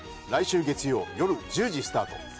来週月曜夜１０時スタート。